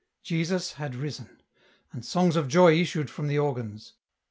Jesus had risen, and songs of joy issued from the organs.